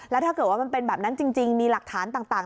แล้วถ้าเกิดว่ามันเป็นแบบนั้นจริงมีหลักฐานต่าง